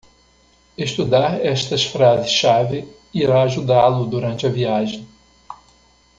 Estudar estas frases-chave irá ajudá-lo durante a viagem.